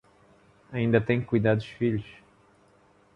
Ainda tem que cuidar dos filhos